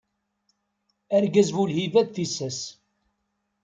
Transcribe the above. Argaz bu lhiba d tissas.